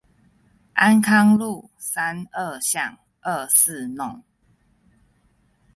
安康路三二巷二四弄